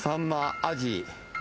アジ。